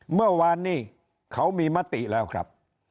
เมื่อวานนี้เขามีมติแล้วครับ